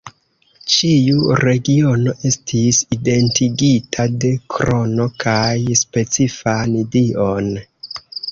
Ĉiu regiono estis identigita de krono kaj specifan dion.